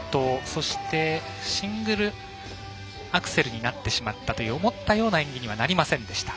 そしてシングルアクセルになってしまったという思ったような演技にはなりませんでした。